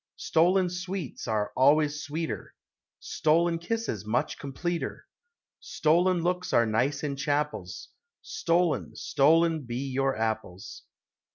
Stolen sweets are always sweeter ; Stolen kisses much completer ; Stolen looks are nice in chapels ; Stolen, stolen be your apples.